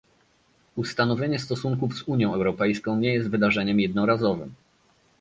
Ustanowienie stosunków z Unią Europejską nie jest wydarzeniem jednorazowym